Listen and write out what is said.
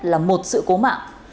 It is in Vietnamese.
là một sự cố mạng